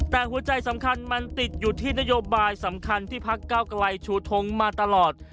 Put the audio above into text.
แต่หัวใจสำคัญมันติดอยู่ที่นโยบายสำคัญที่พักเก้าไกลชูทงมาตลอด